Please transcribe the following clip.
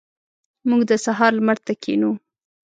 موږ د سهار لمر ته کښینو.